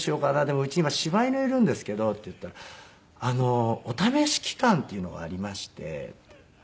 「でもうち今柴犬いるんですけど」って言ったら「お試し期間っていうのがありまして」って。